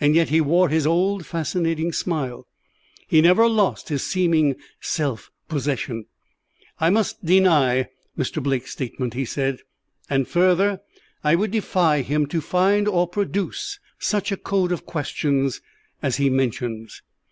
And yet he wore his old fascinating smile; he never lost his seeming self possession. "I must deny Mr. Blake's statement," he said; "and, further, I would defy him to find or produce such a code of questions as he mentions."